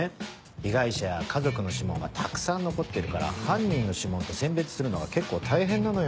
被害者や家族の指紋がたくさん残ってるから犯人の指紋と選別するのが結構大変なのよ。